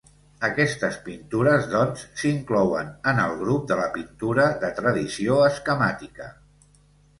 Aquestes pintures, doncs, s'inclouen en el grup de la pintura de tradició esquemàtica.